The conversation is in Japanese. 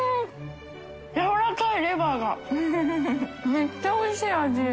めっちゃおいしい味。